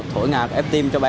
thổi ngạc ép tim cho bé